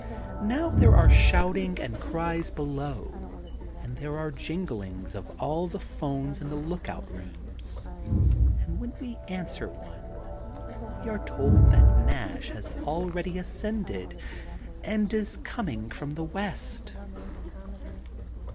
Now there are shouting and cries below and there are jinglings of all the phones in the lookout rooms and when we answer one we are told that Nash has already ascended and is coming from the west.